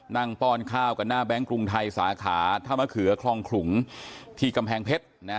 ป้อนข้าวกันหน้าแบงค์กรุงไทยสาขาท่ามะเขือคลองขลุงที่กำแพงเพชรนะ